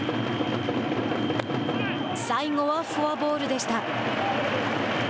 最後はフォアボールでした。